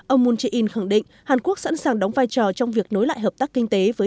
ông moon jae in khẳng định hàn quốc sẵn sàng đóng vai trò trong việc nối lại hợp tác kinh tế với